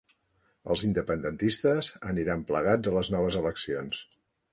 Els independentistes aniran plegats a les noves eleccions